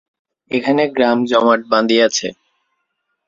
এখানে গ্রাম জমাট বাধিয়াছে।